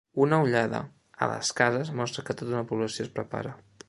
Una ullada a les cases mostra que tota una població es prepara.